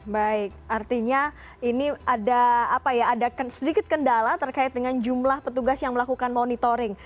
baik artinya ini ada sedikit kendala terkait dengan jumlah petugas yang melakukan monitoring